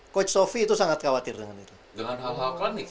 dengan hal hal klinik